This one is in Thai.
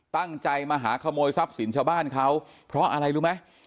ตั้งใจมาหาขโมยทรัพย์สินชาวบ้านเขาเพราะอะไรรู้ไหม